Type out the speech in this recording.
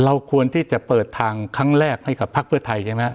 เราควรที่จะเปิดทางครั้งแรกให้กับพักเพื่อไทยใช่ไหม